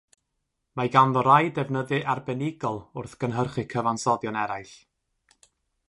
Mae ganddo rai defnyddiau arbenigol wrth gynhyrchu cyfansoddion eraill.